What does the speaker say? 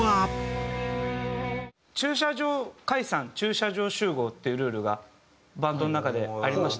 駐車場解散駐車場集合っていうルールがバンドの中でありまして。